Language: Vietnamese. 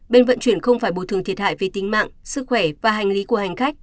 bên vận chuyển không phải bồi thường thiệt hại về tính mạng sức khỏe và hành lý của hành khách